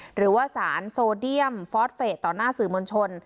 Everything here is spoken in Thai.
หรือว่าสารโซเดียมฟอสเฟสต่อหน้าสื่อมวลชน